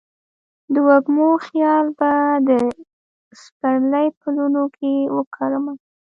د وږمو خیال به د سپرلي پلونو کې وکرمه